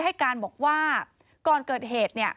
ให้การบอกว่าก่อนเกิดเหตุ